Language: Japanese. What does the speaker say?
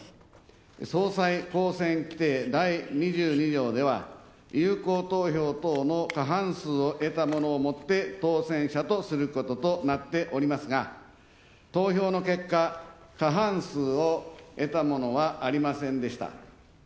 総裁当選規定第２２条では、有効投票党の過半数を得た者をもって当選者とすることとなっておりますが投票の結果、過半数を得た者はありませんでした。